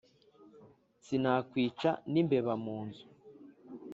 Sinakwica n'imbeba mu nzu.